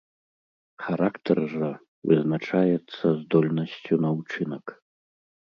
Характар жа вызначаецца здольнасцю на ўчынак.